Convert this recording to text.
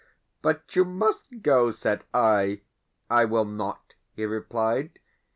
"But you MUST go," said I. "I will not," he replied.